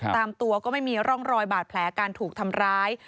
ตามตัวก็ไม่มีร่องรอยบาดแผลการถูกทำร้าย